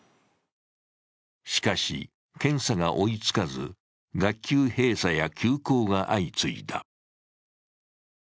しかし、検査が追いつかず、学級閉鎖や休校が相次いだ。